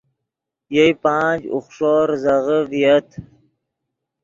یئے پانچ، اوخݰو زیزغے ڤییت